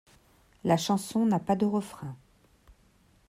La chanson n'a pas de refrain.